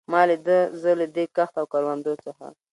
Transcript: ما لیده، زه له دې کښت او کروندو څخه.